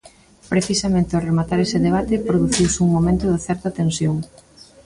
Precisamente ao rematar ese debate, produciuse un momento de certa tensión.